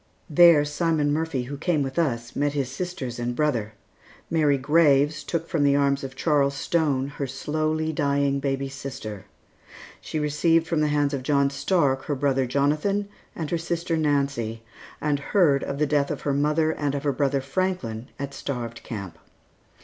There Simon Murphy, who came with us, met his sisters and brother; Mary Graves took from the arms of Charles Stone, her slowly dying baby sister; she received from the hands of John Stark her brother Jonathan and her sister Nancy, and heard of the death of her mother and of her brother Franklin at Starved Camp.